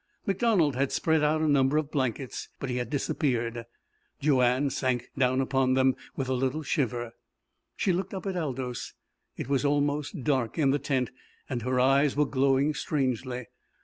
MacDonald had spread out a number of blankets, but he had disappeared. Joanne sank down upon them with a little shiver. She looked up at Aldous. It was almost dark in the tent, and her eyes were glowing strangely.